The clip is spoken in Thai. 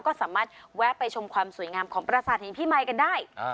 ก็สามารถแวะไปชมความสวยงามของประสาทแห่งพี่มายกันได้